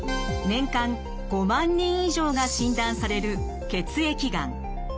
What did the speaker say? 年間５万人以上が診断される血液がん。